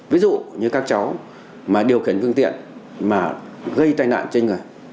ví dụ như các cháu mà điều khiển phương tiện mà gây tai nạn trên người